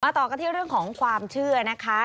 ต่อกันที่เรื่องของความเชื่อนะคะ